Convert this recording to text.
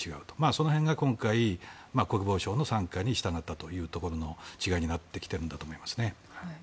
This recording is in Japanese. その辺が今回国防省の傘下に従ったというところの違いになってきてると思いますね。